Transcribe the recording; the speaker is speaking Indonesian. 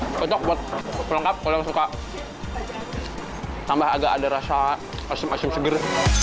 ini cocok buat pelengkap kalau yang suka tambah agak ada rasa asim asim seger